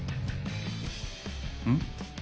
うん？